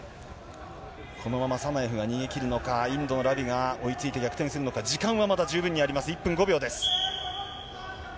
このままサナエフが逃げ切るのか、インドのラビが追いついて逆転するのか、時間はまだ十分にあります、１分５秒です。